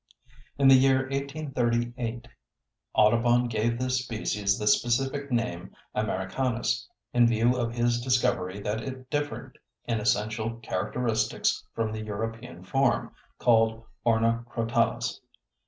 In the year 1838 Audubon gave this species the specific name Americanus, in view of his discovery that it differed in essential characteristics from the European form, called Ornacrotalus.